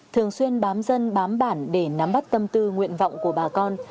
thường xuyên bám dân bám bản để nắm bắt tâm tư nguyện vọng của bà con